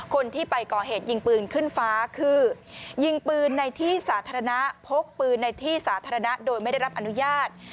คนที่ไปก่อเหตุยิงปืนขึ้นฟ้าคือยิงปืนในที่สาธารณะพกปืนในที่สาธารณะโดยไม่ได้รับอนุญาต